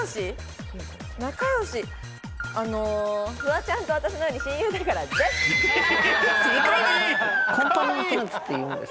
フワちゃんと私のように親友だからです。